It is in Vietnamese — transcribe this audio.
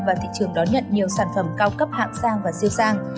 và thị trường đón nhận nhiều sản phẩm cao cấp hạng sang và siêu sang